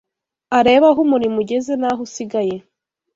arebe aho umurimo ugeze n’aho usigaye